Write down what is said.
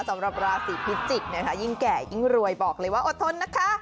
สำหรับราศีพิจิกษ์นะคะยิ่งแก่ยิ่งรวยบอกเลยว่าอดทนนะคะ